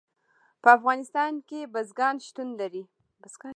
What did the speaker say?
په افغانستان کې بزګان شتون لري.